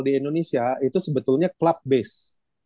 di indonesia itu sebetulnya club base